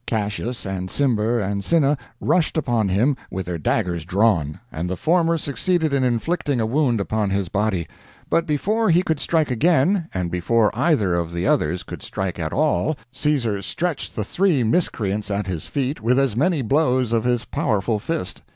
Cassias and Cimber and Cinna rushed upon him with their daggers drawn, and the former succeeded in inflicting a wound upon his body; but before he could strike again, and before either of the others could strike at all, Caesar stretched the three miscreants at his feet with as many blows of his powerful fist.